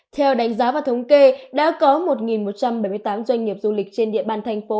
theo đánh giá và thống kê đã có một một trăm bảy mươi tám doanh nghiệp du lịch trên địa bàn thành phố